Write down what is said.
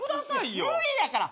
無理やから！